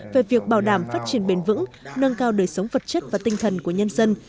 về việc bảo đảm phát triển bền vững nâng cao đời sống vật chất và tinh thần của nhân dân